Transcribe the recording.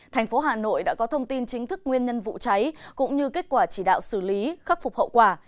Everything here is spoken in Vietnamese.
thành phố hà nội đã có thông tin chính thức nguyên nhân vụ cháy cũng như kết quả chỉ đạo xử lý khắc phục hậu quả